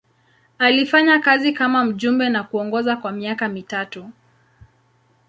Alifanya kazi kama mjumbe na kuongoza kwa miaka mitatu.